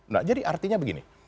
nah jadi artinya begini